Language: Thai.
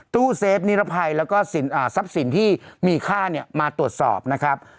ตู้เซฟนิรภัยแล้วก็ทรัพย์สินที่มีค่ามาตรวจสอบนะครับ